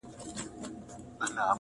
• نثر يې بېل رنګ لري ښکاره..